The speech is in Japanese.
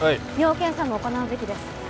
尿検査も行なうべきです。